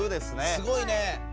すごいね。